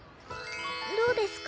どうですか？